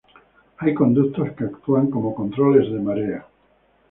Hay conductos que actúan como controles de marea.